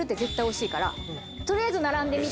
取りあえず並んでみて。